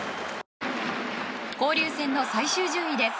交流戦の最終順位です。